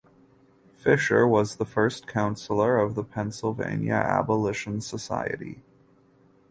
Fisher was the first counselor of the Pennsylvania Abolition Society.